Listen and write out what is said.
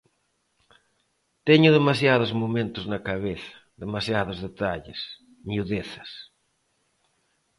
Teño demasiados momentos na cabeza, demasiados detalles, miudezas.